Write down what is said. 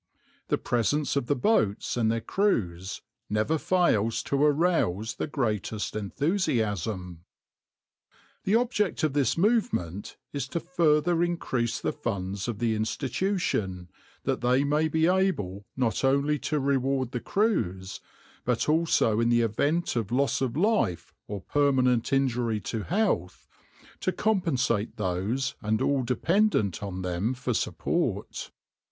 The presence of the boats and their crews never fails to arouse the greatest enthusiasm. The object of this movement is to further increase the funds of the Institution, that they may be able not only to reward the crews, but also in the event of loss of life, or permanent injury to health, to compensate those and all dependent on them for support.